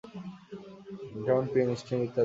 যেমন pin, string ইত্যাদি।